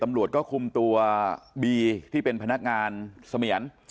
ตำรวจก็คุมตัวบีที่เป็นพนักงานเสมียร